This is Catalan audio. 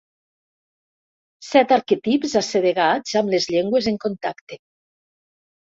Set arquetips assedegats amb les llengües en contacte.